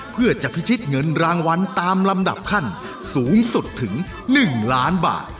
เพื่อจะพิชิตเงินรางวัลตามลำดับขั้นสูงสุดถึง๑ล้านบาท